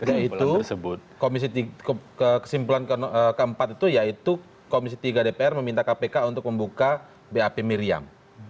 yaitu kesimpulan keempat itu yaitu komisi tiga dpr meminta kpk untuk membuka bap miriam